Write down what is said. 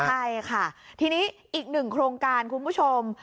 ใช่ค่ะทีนี้อีกหนึ่งโครงการคุณผู้ชม